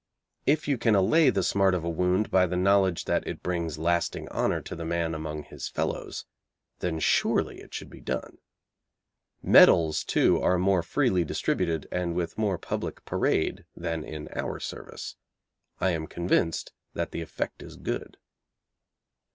If you can allay the smart of a wound by the knowledge that it brings lasting honour to the man among his fellows, then surely it should be done. Medals, too, are more freely distributed and with more public parade than in our service. I am convinced that the effect is good.